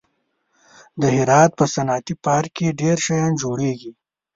د هرات په صنعتي پارک کې ډېر شیان جوړېږي.